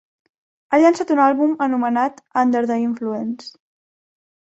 Ha llançat un àlbum anomenat "Under the Influence".